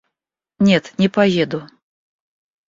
Нет, не поеду.